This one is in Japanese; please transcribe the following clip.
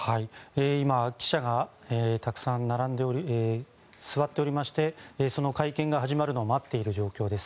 今、記者がたくさん座っておりましてその会見が始まるのを待っている状況です。